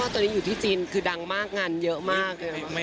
ตอนนี้อยู่ที่จีนคือดังมากงานเยอะมาก